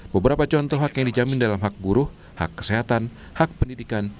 beberapa contoh hak yang dijamin dalam hak buruh hak kesehatan hak pendidikan